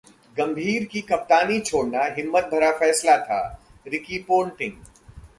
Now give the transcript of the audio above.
गंभीर का कप्तानी छोड़ना हिम्मत भरा फैसला था: रिकी पोटिंग